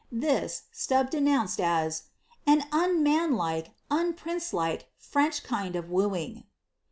This, Stubbs denounced u ^ an unmanlike, unprince like, French kind of wooing.'